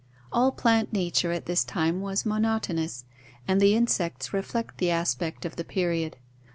All plant nature at this time was monotonous and the insects reflect the aspect of the period.